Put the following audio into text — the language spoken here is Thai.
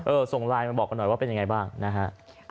ส่งไลน์มาบอกกันหน่อยว่าเป็นยังไงบ้างนะฮะ